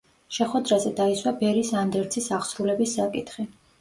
შეხვედრაზე დაისვა ბერის ანდერძის აღსრულების საკითხი.